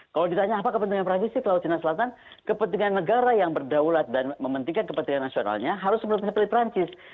kalau ditanya apa kepentingan provinsi ke laut cina selatan kepentingan negara yang berdaulat dan mementingkan kepentingan nasionalnya harus menurut saya pilih perancis